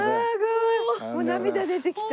もう涙出てきた。